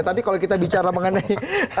tapi kalau kita bicara mengenai